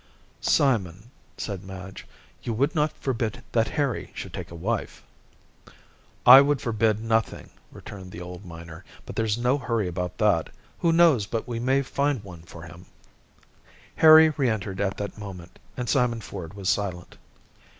"Simon," said Madge, "you would not forbid that Harry should take a wife." "I would forbid nothing," returned the old miner, "but there's no hurry about that. Who knows but we may find one for him—" Harry re entered at that moment, and Simon Ford was silent.